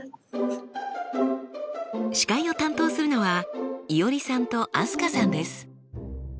司会を担当するのはいおりさんと飛鳥さんです。